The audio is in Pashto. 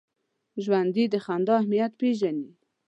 ژوندي د خندا اهمیت پېژني